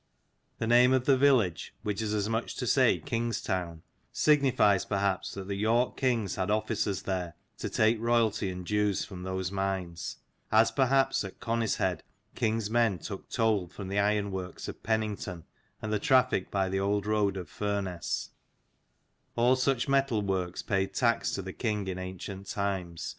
The name of the village, which is as much as to say King's town, signifies perhaps that the York kings had officers there to take royalty and dues from those mines: as perhaps at Conishead king's men took toll from the ironworks of Pennington and the traffic by the old road of Furness : all such metal works paid tax to the king in ancient times.